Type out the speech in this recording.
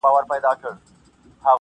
هغې بۀ ما بلاندي د خپل سر لوپټه وهله-